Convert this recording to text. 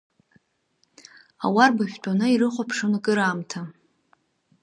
Ауарбажә тәаны ирыхәаԥшуан кыраамҭа.